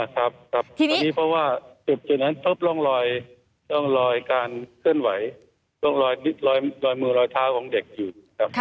ครับครับทีนี้เพราะว่าจุดนั้นพบล่องลอยการเคลื่อนไหวลอยมือลอยเท้าของเด็กอยู่ครับ